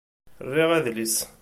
Riɣ adlis.